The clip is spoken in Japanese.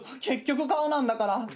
結局顔なんだから。